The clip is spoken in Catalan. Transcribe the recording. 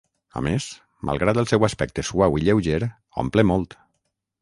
A més, malgrat el seu aspecte suau i lleuger, omple molt.